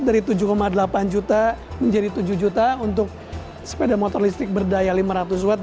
dari tujuh delapan juta menjadi tujuh juta untuk sepeda motor listrik berdaya lima ratus watt